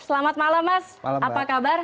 selamat malam mas apa kabar